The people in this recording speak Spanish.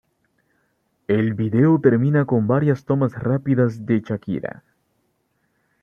El vídeo termina con varias tomas rápidas de Shakira.